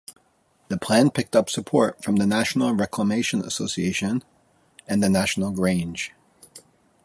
The plan picked up support from the National Reclamation Association and the National Grange.